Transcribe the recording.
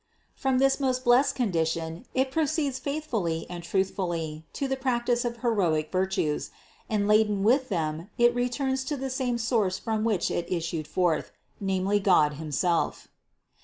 From this most blessed condition it proceeds faithfully and truthfully to the practice of heroic virtues ; and laden with them it returns to the same source from which it issued forth, namely God himself.